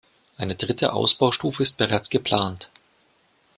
Eine dritte Ausbaustufe ist bereits geplant.